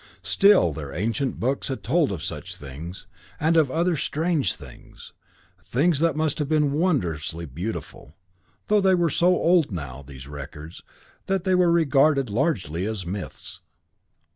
Still, their ancient books had told of such things, and of other strange things, things that must have been wondrously beautiful, though they were so old now, these records, that they were regarded largely as myths.